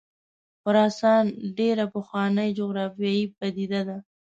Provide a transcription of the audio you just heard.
خراسان ډېره پخوانۍ جغرافیایي پدیده ده.